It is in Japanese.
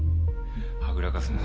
はぐらかすな。